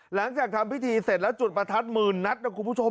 หลังจากทำพิธีเสร็จแล้วจุดประทัดหมื่นนัดนะคุณผู้ชม